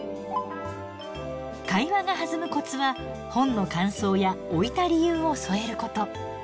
会話が弾むコツは本の感想や置いた理由を添えること。